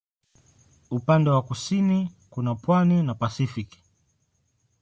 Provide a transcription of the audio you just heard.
Upande wa kusini kuna pwani na Pasifiki.